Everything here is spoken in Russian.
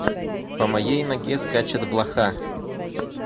По моей ноге скачет блоха.